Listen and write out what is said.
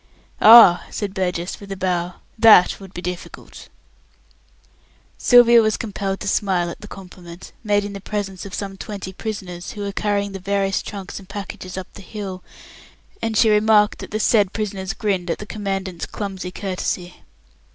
"Ah!" said Burgess, with a bow, "that would be difficult." Sylvia was compelled to smile at the compliment, made in the presence of some twenty prisoners, who were carrying the various trunks and packages up the hill, and she remarked that the said prisoners grinned at the Commandant's clumsy courtesy.